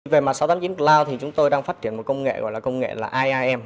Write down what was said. về mặt sáu trăm tám mươi chín cloud thì chúng tôi đang phát triển một công nghệ gọi là công nghệ là iim